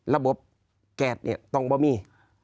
ระบบแกรดต้องมี